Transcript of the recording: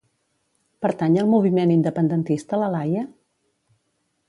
Pertany al moviment independentista la Laia?